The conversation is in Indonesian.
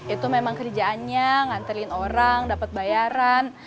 itu memang kerjaannya nganterin orang dapat bayaran